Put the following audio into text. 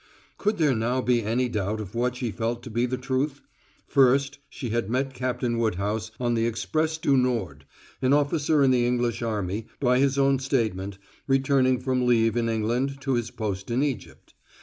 Could there now be any doubt of what she felt to be the truth? First, she had met Captain Woodhouse on the Express du Nord an officer in the English army, by his own statement, returning from leave in England to his post in Egypt.